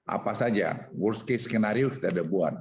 apa saja worst case scenario kita sudah buat